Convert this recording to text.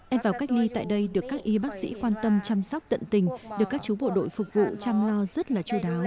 em vào cách ly tại đây được các y bác sĩ quan tâm chăm sóc tận tình được các chú bộ đội phục vụ chăm lo rất là chú đáo